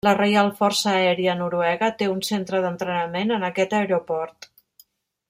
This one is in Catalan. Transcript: La Reial Força Aèria Noruega té un centre d'entrenament en aquest aeroport.